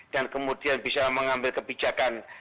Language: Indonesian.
dan kemudian bisa mengambil kebijakan